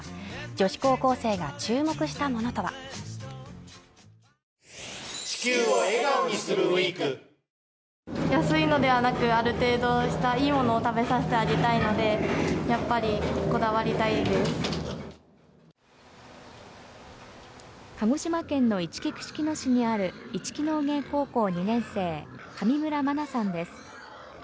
女子高校生が注目したものとは鹿児島県のいちき串木野市にある市来農芸高校２年生上村愛さんです。